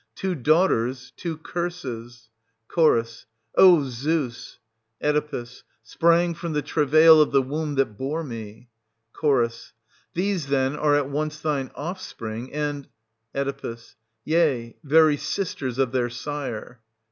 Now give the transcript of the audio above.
— two daughters —two curses — Ch. O Zeus ! Oe. — sprang from the travail of the womb that bore me. str. 2. Ch, These, then, are at once thine offspring, and Oe. — yea, very sisters of their sire.